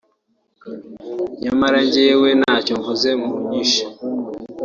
nyamara njyewe ntacyo mvuze munyishe